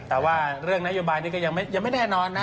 แต่ว่าเรื่องนโยบายนี้ก็ยังไม่แน่นอนนะ